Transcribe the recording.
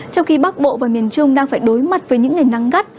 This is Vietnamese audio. trong khi bắc bộ và miền trung đang phải đối mặt với những ngày nắng gắt